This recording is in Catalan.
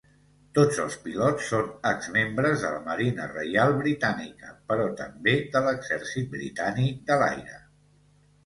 Tots els pilots són exmembres de la marina reial britànica, però també de l'exèrcit britànic de l'aire.